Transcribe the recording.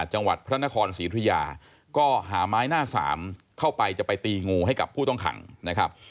จังหวัดพระนครศรีธุยาก็หาไม้หน้าสามเข้าไปจะไปตีงูให้กับผู้ต้องขังนะครับ